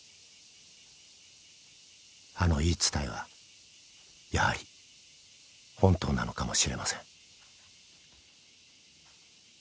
［あの言い伝えはやはり本当なのかもしれません］